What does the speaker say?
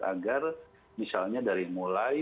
agar misalnya dari mulai